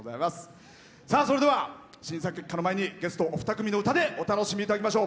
それでは、審査結果の前にゲストお二組の歌でお楽しみいただきましょう。